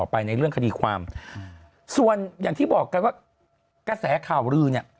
ไปในเรื่องคดีความส่วนอย่างที่บอกกันว่ากระแสข่าวลือเนี่ย